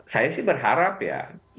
saya sih berharap ya